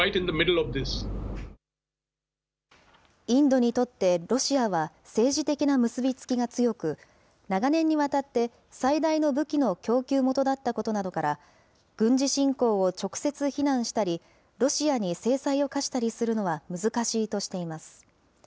インドにとってロシアは政治的な結び付きが強く、長年にわたって最大の武器の供給元だったことなどから、軍事侵攻を直接非難したり、ロシアに制裁を科したりするのは難しいとしています。